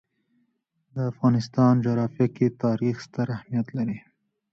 د افغانستان جغرافیه کې تاریخ ستر اهمیت لري.